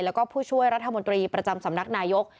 แล้วก็ผู้ช่วยรัฐมนตรีประจำสำนักนายก